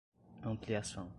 ampliação